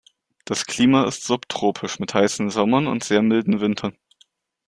Das Klima ist subtropisch mit heißen Sommern und sehr milden Wintern.